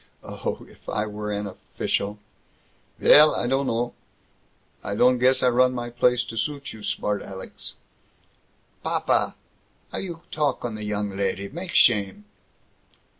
Oh! If I were an official " "Vell, I dunno, I don't guess I run my place to suit you smart alecks " "Papa! How you talk on the young lady! Make shame!"